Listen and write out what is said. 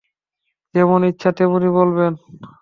যেমন ইচ্ছা তেমনি বলবেন।